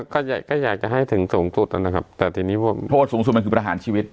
ก็อยากจะให้ถึงสูงสุดนะครับสูงสุดคือประหารชีวิต